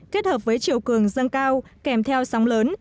kết hợp với chiều cường dâng cao kèm theo sóng lớn